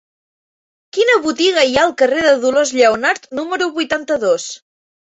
Quina botiga hi ha al carrer de Dolors Lleonart número vuitanta-dos?